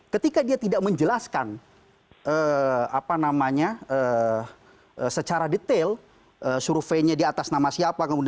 ketika dia tidak menjelaskan secara detail surveinya di atas nama siapa